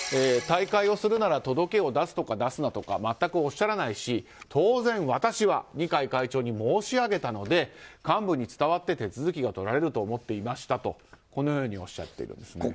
退会をするなら届を出すとか出すなとか全くおっしゃらないし当然、私は二階会長に申し上げたので幹部に伝わって手続きが取られると思っていましたとおっしゃっていました。